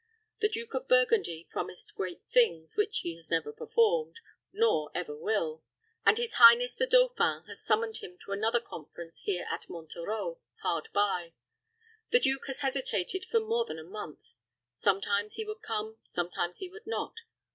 The Duke of Burgundy promised great things, which he has never performed, nor ever will; and his highness the dauphin has summoned him to another conference here at Monterreau, hard by. The duke has hesitated for more than a month. Sometimes he would come, sometimes he would not.